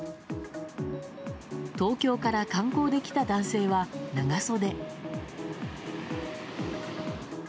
東京から観光で来た男性は、長袖。